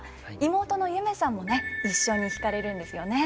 妹の夢さんもね一緒に弾かれるんですよね。